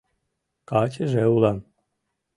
Качыже улам».